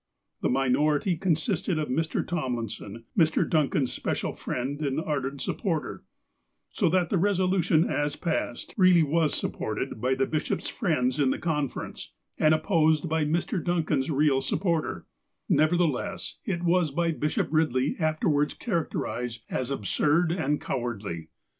''^ The minority consisted of Mr. Tomlinson, Mr. Duncan's special friend and ardent supporter. So that the resolu tion, as passed, really was supported by the bishop's ' Italicized by the author. TROUBLES BREWING 259 friends in the conference, and opposed by Mr. Duncan's real supporter. Nevertheless, it was by Bishop Eidley afterwards char acterized as '' absurd and" cowardly."